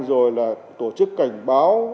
rồi là tổ chức cảnh báo